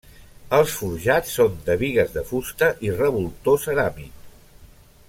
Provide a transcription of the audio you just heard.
Els forjats són de bigues de fusta i revoltó ceràmic.